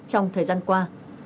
trong thời gian qua